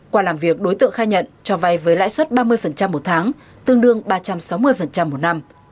qua làm việc đối tượng khai nhận cho vay với lãi suất ba mươi một tháng tương đương ba trăm sáu mươi một năm